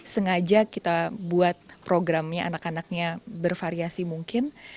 sengaja kita buat programnya anak anaknya bervariasi mungkin